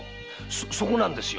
そこなんですよ。